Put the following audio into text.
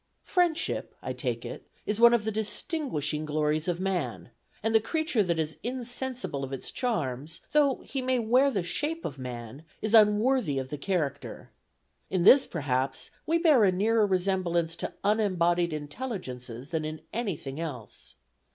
... "Friendship, I take it, is one of the distinguishing glories of man; and the creature that is insensible of its charms, though he may wear the shape of man, is unworthy of the character. In this, perhaps, we bear a nearer resemblance to unembodied intelligences than in anything else.